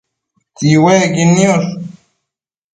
Tsiuecquid niosh